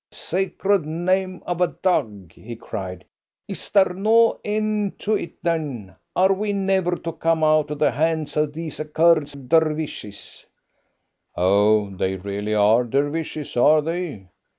"Sacred name of a dog!" he cried. "Is there no end to it, then? Are we never to come out of the hands of these accursed Dervishes?" "Oh, they really are Dervishes, are they?"